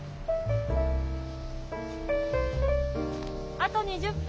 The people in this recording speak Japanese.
あと２０分です。